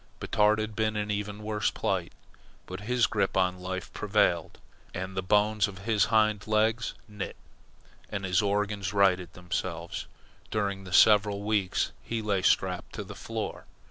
Batard had been in even worse plight, but his grip on life prevailed, and the bones of his hind legs knit, and his organs righted themselves, during the several weeks he lay strapped to the floor.